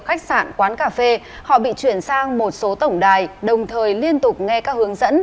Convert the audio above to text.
khách sạn quán cà phê họ bị chuyển sang một số tổng đài đồng thời liên tục nghe các hướng dẫn